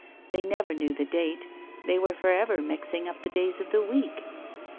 They never knew the date, they were for ever mixing up the days of the week.